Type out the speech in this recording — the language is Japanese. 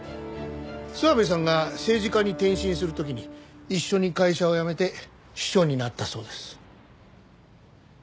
諏訪部さんが政治家に転身する時に一緒に会社を辞めて秘書になったそうです。